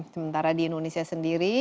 sementara di indonesia sendiri